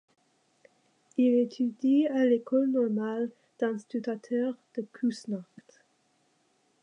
Il étudie à l'école normale d'instituteurs de Küsnacht.